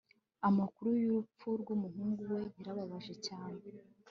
Amakuru yurupfu rwumuhungu we yarababaje cyane